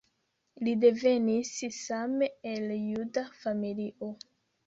Li devenis same el juda familio.